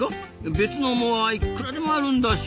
別の藻はいくらでもあるんだし。